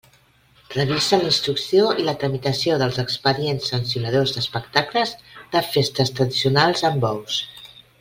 Revisa la instrucció i la tramitació dels expedients sancionadors d'espectacles de festes tradicionals amb bous.